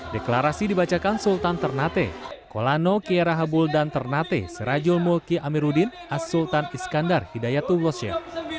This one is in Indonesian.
deklarasi dibacakan sultan ternate kolano kiera habul dan ternate serajul mulki amiruddin as sultan iskandar hidayatul washim